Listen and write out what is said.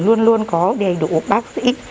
luôn luôn có đầy đủ bác sĩ